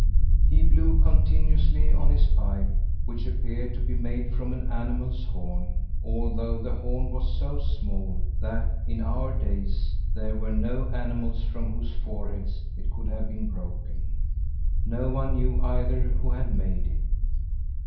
He blew continuously on his pipe, which appeared to be made from an animal's horn, although the horn was so small that, in our days, there were no animals from whose foreheads it could have been broken. No one knew, either, who had made it.